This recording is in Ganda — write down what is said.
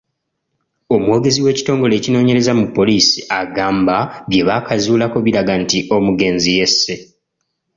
Omwogezi w’ekitongole ekinoonyereza mu poliisi agamba bye baakazuulako biraga nti omugenzi yesse.